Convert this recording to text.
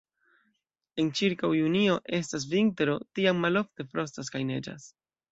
En ĉirkaŭ junio estas vintro, tiam malofte frostas kaj neĝas.